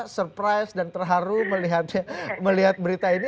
surprise dan terharu melihat berita ini